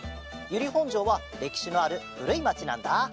ゆりほんじょうはれきしのあるふるいまちなんだ。